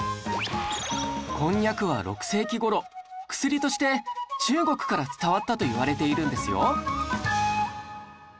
こんにゃくは６世紀頃薬として中国から伝わったといわれているんですよ